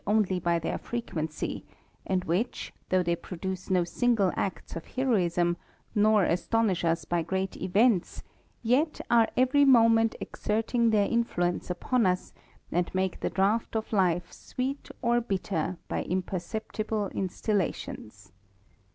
y by tHeif Irequeucy, and which, though ihcy produce no single acts of heroism, nor astonish us by great events, yet aie Cvety momerit exerting^ their influence iipup_uSiand make the draught of life sweet or bitter by io6 THE RAMBLER: imperceptible instillations.